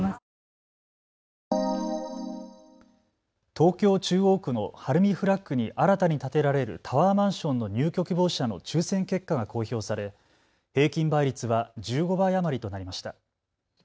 東京中央区の晴海フラッグに新たに建てられるタワーマンションの入居希望者の抽せん結果が公表され平均倍率は１５倍余りとなりました。